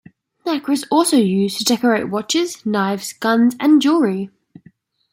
Nacre is also used to decorate watches, knives, guns and jewellery.